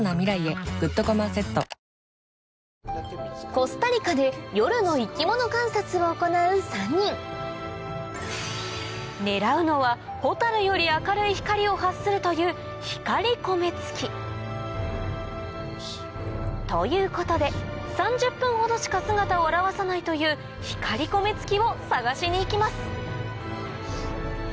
コスタリカで夜の生き物観察を行う３人狙うのはホタルより明るい光を発するというということで３０分ほどしか姿を現さないというヒカリコメツキを探しに行きます